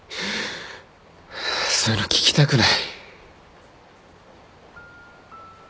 そういうの聞きたくない。